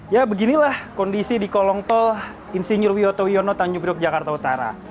ya beginilah kondisi di kolong tol insinyur wioto wiono tanjung priok jakarta utara